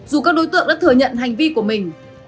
dù các đối tượng đã thừa nhận hành vi của mình